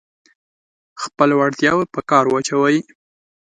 خپلې وړتیاوې په کار واچوئ.